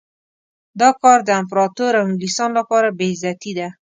دا کار د امپراطور او انګلیسیانو لپاره بې عزتي ده.